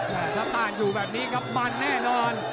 และสตาร์ทอยู่แบบนี้ครับบันแน่นอน